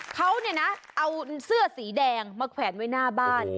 เขาเนี่ยนะเอาเสื้อสีแดงมาแขวนไว้หน้าบ้าน